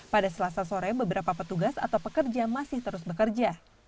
pada selasa sore beberapa petugas atau pekerja masih terus bekerja